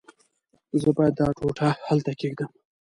زه باید دا ټوټه هلته کېږدم.